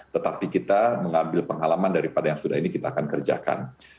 tetapi kita mengambil pengalaman daripada yang sudah ini kita akan kerjakan